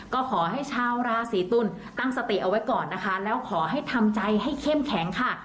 ก็ขอให้ชาวราศีตุลตั้งสติเอาไว้ก่อนนะคะแล้วขอให้ทำใจให้เข้มแข็งค่ะ